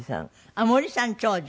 あっ森さん長女？